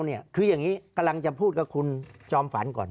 คืออย่างนี้กำลังจะพูดกับคุณจอมฝันก่อน